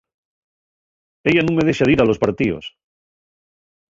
Ella nun me dexa dir a los partíos.